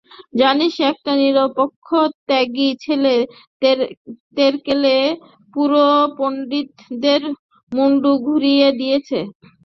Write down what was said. জানিস, একটা নিরক্ষর ত্যাগী ছেলে তেরকেলে বুড়ো পণ্ডিতদের মুণ্ডু ঘুরিয়ে দিয়েছিল।